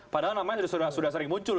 padahal namanya sudah sering muncul